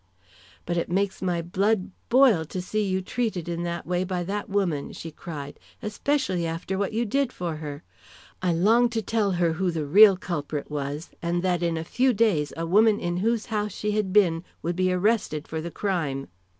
"But it makes my blood boil to see you treated in that way by that woman," she cried, "especially after what you did for her. I long to tell her who the real culprit was, and that in a few days a woman in whose house she had been would be arrested for the crime."